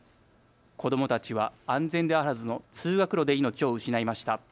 子どもたちは安全であるはずの通学路で命を失いました。